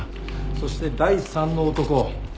そして第３の男。